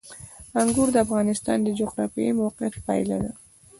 انګور د افغانستان د جغرافیایي موقیعت پایله ده.